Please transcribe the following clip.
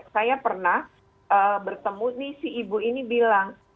saya pernah bertemu nih si ibu ini bilang